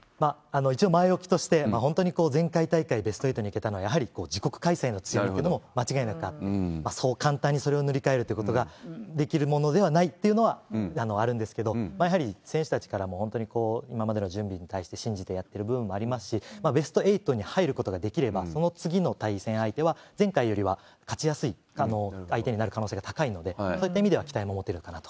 一応前置きとして、本当に前回大会ベスト８いけたのは、やはり自国開催の強みっていうのも間違いなくあって、簡単にそれを塗り替えられることがないというのは、あるんですけれども、やはり選手たちからも本当に今までの準備に対して、信じてやっている部分もありますし、ベスト８に入ることができれば、その次の対戦相手は、前回よりは勝ちやすい相手になる可能性が高いので、そういった意味では期待も持てるかなと。